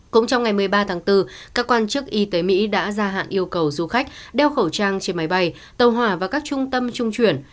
cũng trong ngày một mươi ba tháng bốn các quan chức y tế mỹ đã ra hạn yêu cầu du khách đeo khẩu trang trên máy bay tàu hỏa và các trung tâm trung chuyển